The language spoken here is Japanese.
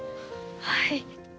はい。